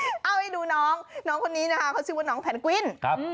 เอาให้ดูน้องน้องคนนี้นะคะเขาชื่อว่าน้องแพนกวินครับ